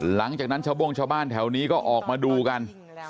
หลังจากนั้นชาวโบ้งชาวบ้านแถวนี้ก็ออกมาดูกัน